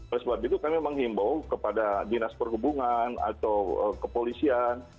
oleh sebab itu kami menghimbau kepada dinas perhubungan atau kepolisian